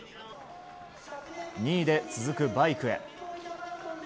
２位で続くバイクへ。